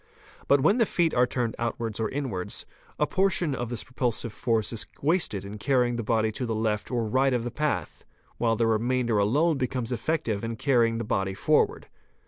But when the feet are turned outwards or inwards, a portion of this propulsive force is wasted in carrying the body to the left or right of the path; while the remainder alone becomes effective in carrying the body forward.